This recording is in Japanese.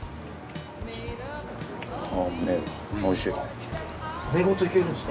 おいしいよ。